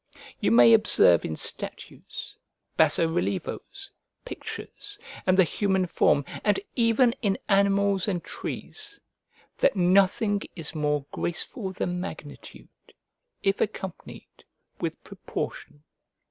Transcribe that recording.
You may observe in statues, basso relievos, pictures, and the human form, and even in animals and trees, that nothing is more graceful than magnitude, if accompanied with proportion.